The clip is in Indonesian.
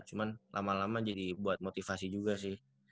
cuma lama lama jadi buat motivasi juga sih